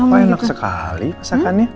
wah enak sekali masakannya